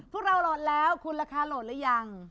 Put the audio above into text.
พวกเราโหลดแล้วคุณราคาโหลดหรือยัง